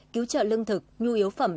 cứu trợ lương thực nhu yếu phẩm